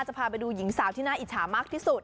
พาไปดูหญิงสาวที่น่าอิจฉามากที่สุด